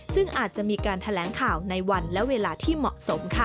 ซึ่งอาจจะมีการแถลงข่าวในวันและเวลาที่เหมาะสม